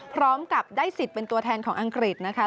พร้อมกับได้สิทธิ์เป็นตัวแทนของอังกฤษนะคะ